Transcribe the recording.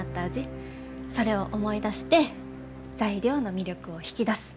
それを思い出して材料の魅力を引き出す。